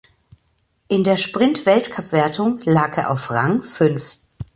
In der Sprintweltcup-Wertung lag er auf Rang fünf.